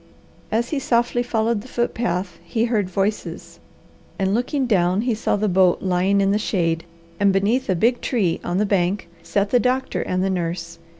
As he softly followed the foot path he heard voices, and looking down, he saw the boat lying in the shade and beneath a big tree on the bank sat the doctor and the nurse.